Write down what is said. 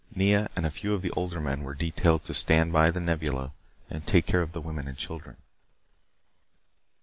Nea and a few of the older men were detailed to stay by The Nebula and take care of the women and children.